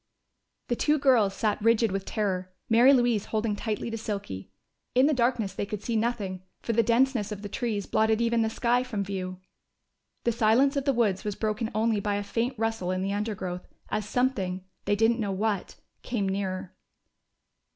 _" The two girls sat rigid with terror, Mary Louise holding tightly to Silky. In the darkness they could see nothing, for the denseness of the trees blotted even the sky from view. The silence of the woods was broken only by a faint rustle in the undergrowth, as something they didn't know what came nearer.